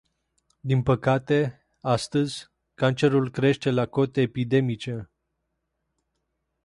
Din păcate, astăzi, cancerul crește la cote epidemice.